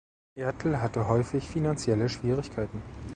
Ertl hatte häufig finanzielle Schwierigkeiten.